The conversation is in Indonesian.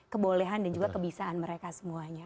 kebolehan dan juga kebisaan mereka semuanya